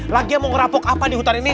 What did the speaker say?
lagi yang mau ngerapuk apa di hutan ini